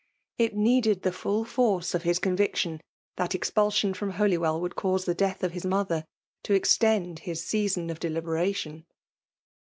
It needed the fidl force of his conviction, that expulsion irom Holywell would cause the death of his mother, to extend his season of deliberation